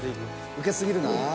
ウケ過ぎるな。